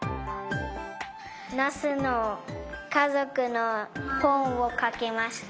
ナスのかぞくの本をかきました。